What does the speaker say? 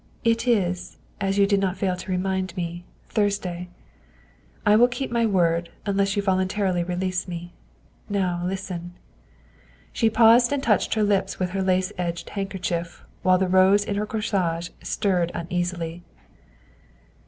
It is, as you did not fail to remind me, Thursday. I will keep my word unless you voluntarily release me. Now listen." She paused and touched her lips with her lace edged handkerchief while the rose in her corsage stirred uneasily.